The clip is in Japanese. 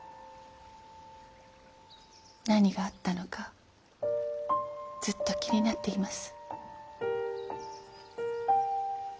何があったのかずっと気になっています。